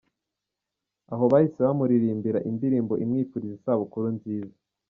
Aho bahise bamuririmbira indirimbo imwifuriza isabukuru nziza.